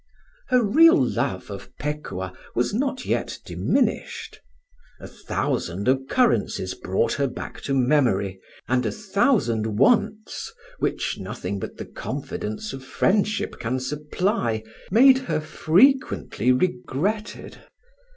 Her real love of Pekuah was not yet diminished. A thousand occurrences brought her back to memory, and a thousand wants, which nothing but the confidence of friendship can supply, made her frequently regretted.